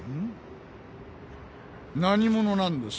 何者なんです？